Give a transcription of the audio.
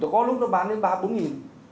có lúc nó bán đến ba bốn nghìn